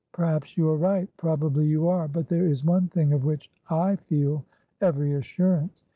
"Perhaps you are right. Probably you are. But there is one thing of which I feel every assurance.